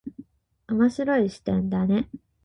面白い視点だね。